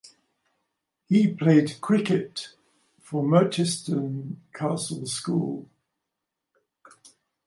He played cricket for Merchiston Castle School.